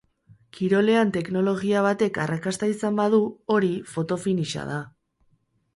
Kirolean teknologia batek arrakasta izan badu, hori foto finish-a da.